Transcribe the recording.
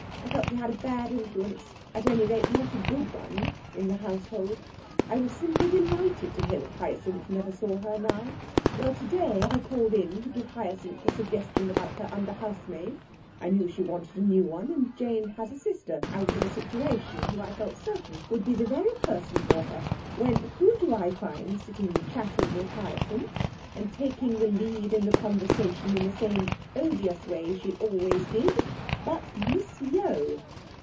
I felt she had a bad influence at any rate not a good one in the household. I was simply delighted to hear that Hyacinth never saw her now. Well, today I called in to give Hyacinth a suggestion about her under housemaid I knew she wanted a new one; and Jane has a sister out of a situation who, I felt certain, would be the very person for her; when, who do I find sitting chatting with Hyacinth, and taking the lead in the conversation in the same odious way she always did, but Miss Yeo!'